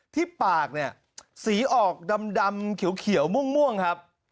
ที่ปากเนี่ยสีออกดำเขียวม่วงครับ